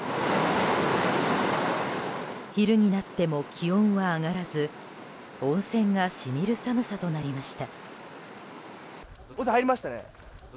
昼になっても気温は上がらず温泉が染みる寒さとなりました。